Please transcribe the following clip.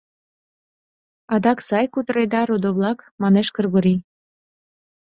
— Адак сай кутыреда, родо-влак? — манеш Кыргорий.